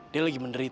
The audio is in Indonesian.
dia lagi menderita